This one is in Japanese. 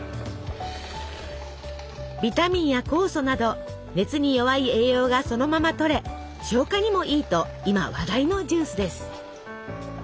ビタミンや酵素など熱に弱い栄養がそのまま取れ消化にもいいと今話題のジュースです。